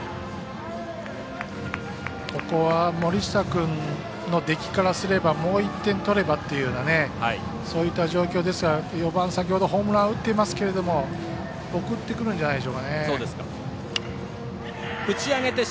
ここは森下君の出来からすればもう１点取ればというそういった状況ですが、４番先ほどホームラン打っていますけどもボールを落としています！